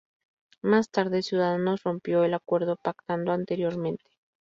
Más tarde, Ciudadanos rompió el acuerdo pactado anteriormente.